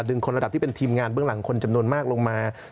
คนระดับที่เป็นทีมงานเบื้องหลังคนจำนวนมากลงมา